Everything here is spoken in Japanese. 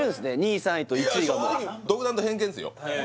２位３位と１位正直独断と偏見ですよ